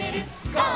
ゴー！」